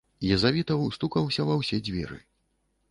Езавітаў стукаўся ва ўсе дзверы.